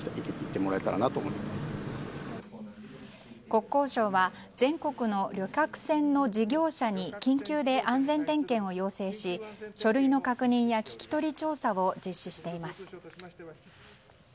国交省は全国の旅客船の緊急で安全点検を要請し書類の確認や聞き取り調査を実施しています。